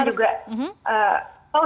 terus kemudian juga